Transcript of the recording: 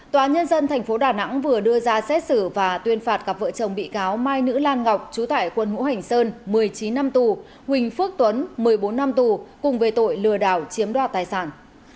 tòa nhân dân tp đà nẵng vừa đưa ra xét xử và tuyên phạt cặp vợ chồng bị cáo mai nữ lan ngọc chú tải quân hữu hành sơn một mươi chín năm tù huỳnh phước tuấn một mươi bốn năm tù cùng về tội lừa đảo chiếm đoạt tài sản